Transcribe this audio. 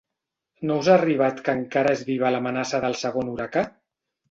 No us ha arribat que encara és viva l'amenaça del segon huracà?